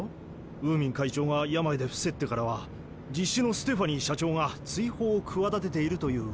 ウーミン会長が病で伏せってからは実子のステファニー社長が追放を企てているといううわさも。